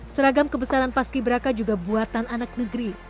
seragam kebesaran pasci braka juga buatan anak negeri